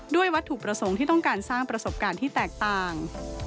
วัตถุประสงค์ที่ต้องการสร้างประสบการณ์ที่แตกต่าง